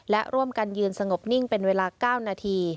และร่วมกันยืนสงบนิ่งเป็นเวลา๙นาที